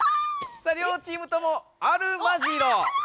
さありょうチームとも「アルマジロ」！